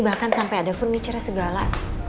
bahkan sampai ada furniture segala